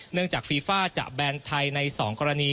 เนื่องจากฟีฟ้าจับแบนไทยในสองกรณี